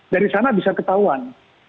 dari sana bisa ketahuan